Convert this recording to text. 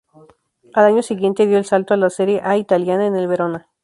Al año siguiente dio el salto a la Serie A italiana, en el Verona.